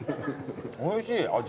おいしい味。